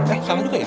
eh sama juga ya